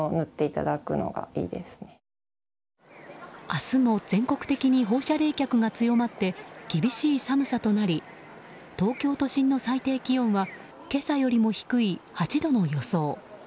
明日も全国的に放射冷却が強まって厳しい寒さとなり東京都心の最低気温は今朝よりも低い８度の予想。